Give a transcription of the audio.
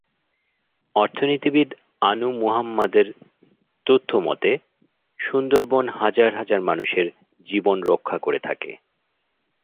অর্থনীতিবিদ আনু মুহাম্মদের তথ্যমতে, সুন্দরবন হাজার হাজার মানুষের জীবন রক্ষা করে থাকে।